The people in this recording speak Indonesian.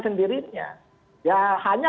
sendirinya ya hanya